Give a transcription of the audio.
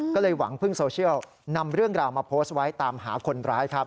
ก็เลยหวังพึ่งโซเชียลนำเรื่องราวมาโพสต์ไว้ตามหาคนร้ายครับ